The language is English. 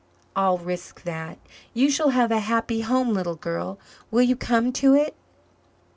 "I'll risk that. You shall have a happy home, little girl. Will you come to it?"